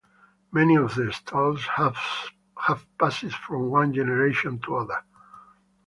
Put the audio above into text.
Many of the stalls have passed from one generation to the other.